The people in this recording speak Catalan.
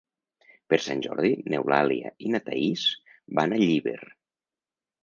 Per Sant Jordi n'Eulàlia i na Thaís van a Llíber.